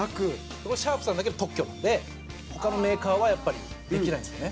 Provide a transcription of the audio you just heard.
これはシャープさんだけの特許なんで他のメーカーはやっぱり、できないんですよね。